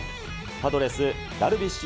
パドレス、ダルビッシュ